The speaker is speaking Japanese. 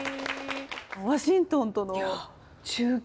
ワシントンとの中継。